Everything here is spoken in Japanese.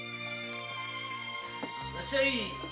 いらっしゃい！